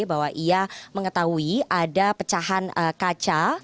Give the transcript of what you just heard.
bahwa ia mengetahui ada pecahan kaca